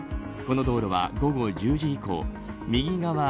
この道路は午後１０時以降右側